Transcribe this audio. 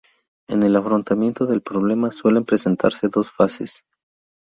En el afrontamiento del problema suelen presentarse dos fases.